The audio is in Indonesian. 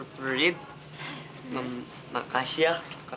prudit makasih ya